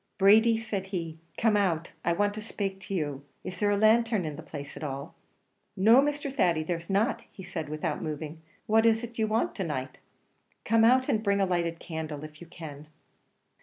"Brady," said he, "come out; I want to spake to you. Is there a lanthern in the place at all?" "No, Mr. Thady, there is not," said he, without moving; "what is it you want to night?" "Come out, and bring a lighted candle, if you can."